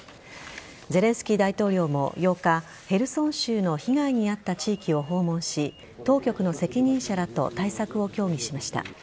ゼレンスキー大統領も８日ヘルソン州の被害に遭った地域を訪問し当局の責任者らと対策を協議しました。